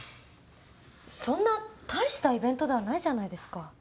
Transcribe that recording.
そそんな大したイベントではないじゃないですか。